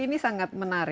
kita break sebentar